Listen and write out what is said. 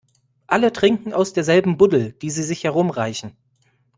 Alle trinken aus derselben Buddel, die sie sich herumreichen.